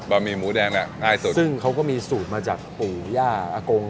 หมี่หมูแดงเนี่ยง่ายสุดซึ่งเขาก็มีสูตรมาจากปู่ย่าอากง